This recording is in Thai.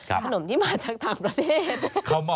ขนมที่มาจากต่างประเทศ